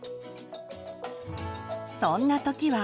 そんな時は。